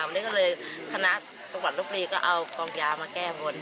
มันก็เลยคณะประมาณรบปรีก็เอากองยามาแก้บน